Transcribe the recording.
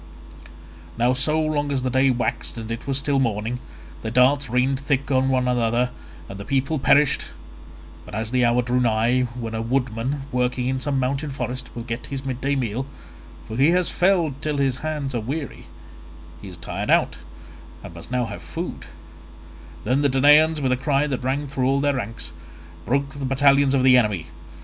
Now so long as the day waxed and it was still morning, their darts rained thick on one another and the people perished, but as the hour drew nigh when a woodman working in some mountain forest will get his midday meal—for he has felled till his hands are weary; he is tired out, and must now have food—then the Danaans with a cry that rang through all their ranks, broke the battalions of the enemy.